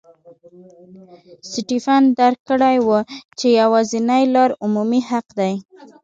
سټېفن درک کړې وه چې یوازینۍ لار عمومي حق دی.